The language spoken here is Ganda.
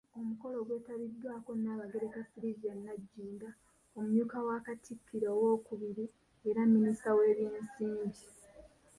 Omukolo gwetabiddwako, Nnabagereka Sylivia Nagginda, Omumyuka wa Katikkiro owookubiri era minisita w'ebyensimbi.